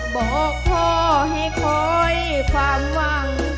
บอกพ่อให้คอยฟังวัง